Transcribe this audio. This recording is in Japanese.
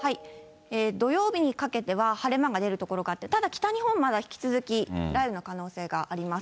土曜日にかけては晴れ間が出る所があって、ただ、北日本、まだ引き続き雷雨の可能性があります。